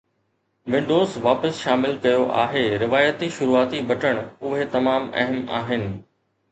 windows واپس شامل ڪيو آهي روايتي شروعاتي بٽڻ اهي تمام اهم آهن